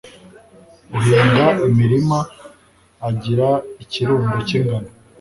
uhinga imirima agira ikirundo cy'ingano